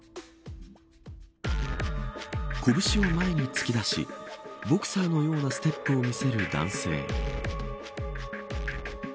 拳を前に突き出しボクサーのようなステップを見せる男性。